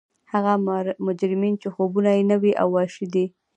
هغه مجرمین چې خوبونه یې نوي او وحشي دي